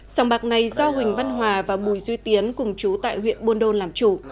sòng bạc này do huỳnh văn hòa và bùi duy tiến cùng chú tại huyện buôn đôn làm chủ